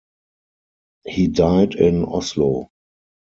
He died in Oslo.